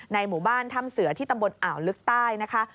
หมู่บ้านถ้ำเสือที่ตำบลอ่าวลึกใต้นะคะ